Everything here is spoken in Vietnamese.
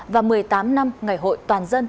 và một mươi tám năm ngày hội toàn dân